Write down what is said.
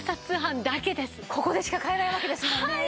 ここでしか買えないわけですもんね。